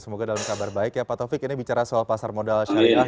semoga dalam kabar baik ya pak taufik ini bicara soal pasar modal syariah